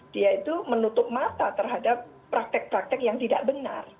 dia itu menutup mata terhadap praktek praktek yang tidak benar